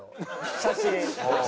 写真。